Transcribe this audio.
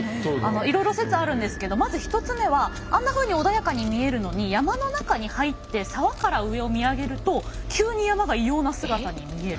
いろいろ説あるんですけどまず１つ目はあんなふうに穏やかに見えるのに山の中に入って沢から上を見上げると急に山が異様な姿に見える。